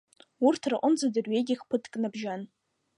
Урҭ рҟынӡа дырҩегьых ԥыҭк набжьан.